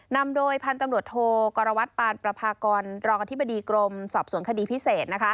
นำโดยพันธุ์ตำรวจโทกรวัตรปานประพากรรองอธิบดีกรมสอบสวนคดีพิเศษ